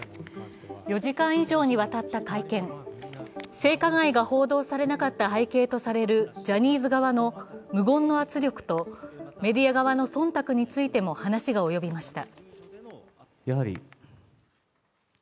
性加害が報道されなかった背景とされるジャニーズ側の無言の圧力とメディア側のそんたくについても話がおよびました。